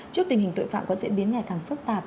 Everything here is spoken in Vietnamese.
trước tình hình tội phạm có diễn biến ngày càng phức tạp